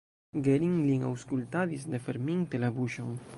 Gering lin aŭskultadis ne ferminte la buŝon.